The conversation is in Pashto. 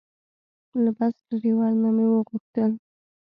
له بس ډریور نه مې وغوښتل.